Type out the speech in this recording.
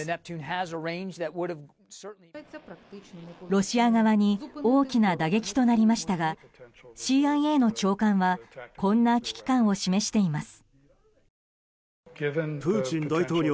ロシア側に大きな打撃となりましたがＣＩＡの長官はこんな危機感を示しています。